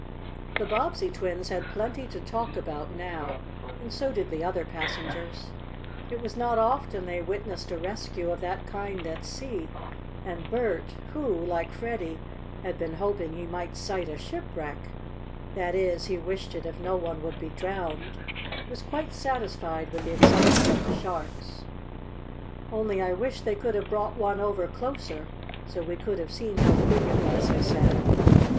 The Bobbsey twins had plenty to talk about now, and so did the other passengers. It was not often they witnessed a rescue of that kind at sea, and Bert, who, like Freddie, had been hoping he might sight a shipwreck that is, he wished it if no one would be drowned was quite satisfied with the excitement of the sharks. "Only I wish they could have brought one over closer, so we could have seen how big it was," he said.